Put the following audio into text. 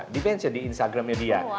dia mention di instagramnya dia